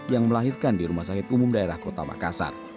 yang melahirkan di rumah sakit umum daerah kota makassar